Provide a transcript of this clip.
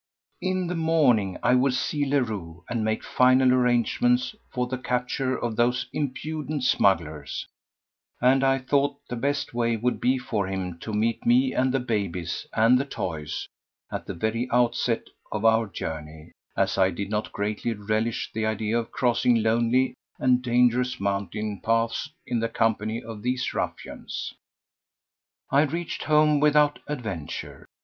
In the morning I would see Leroux and make final arrangements for the capture of those impudent smugglers, and I thought the best way would be for him to meet me and the "babies" and the "toys" at the very outset of our journey, as I did not greatly relish the idea of crossing lonely and dangerous mountain paths in the company of these ruffians. I reached home without adventure.